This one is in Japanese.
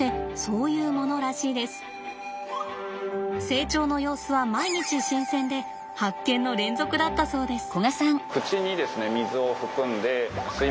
成長の様子は毎日新鮮で発見の連続だったそうです。